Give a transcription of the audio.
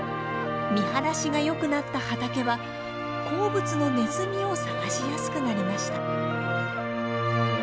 見晴らしがよくなった畑は好物のネズミを探しやすくなりました。